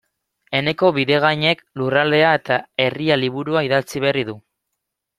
Eneko Bidegainek Lurraldea eta Herria liburua idatzi berri du.